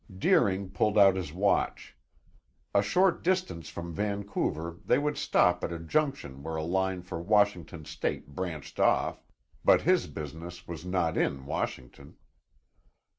Deering pulled out his watch. A short distance from Vancouver they would stop at a junction where a line for Washington State branched off, but his business was not in Washington.